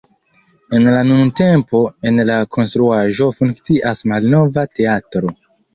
En la nuntempo en la konstruaĵo funkcias Malnova Teatro.